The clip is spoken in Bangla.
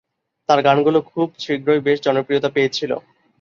তার গানগুলো খুব শীঘ্রই বেশ জনপ্রিয়তা পেয়েছিল।